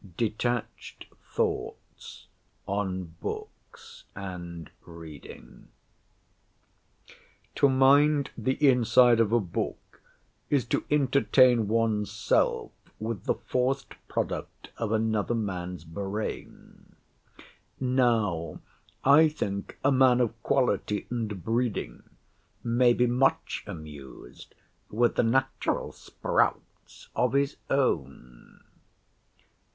DETACHED THOUGHTS ON BOOKS AND READING To mind the inside of a book is to entertain one's self with the forced product of another man's brain. Now I think a man of quality and breeding may be much amused with the natural sprouts of his own.